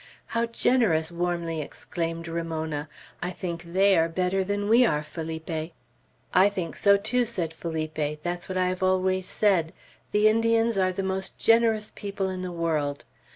"How generous!" warmly exclaimed Ramona; "I think they are better than we are, Felipe!" "I think so, too," said Felipe. "That's what I have always said. The Indians are the most generous people in the world.